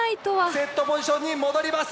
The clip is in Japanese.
セットポジションに戻ります。